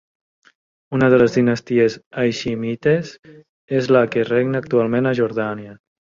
Una de les dinasties haiximites és la que regna actualment a Jordània.